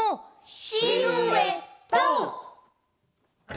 シルエット！